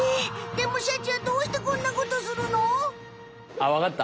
でもシャチはどうしてこんなことするの？あっわかった。